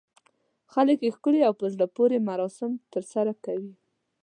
خلک یې ښکلي او په زړه پورې مراسم ترسره کوي.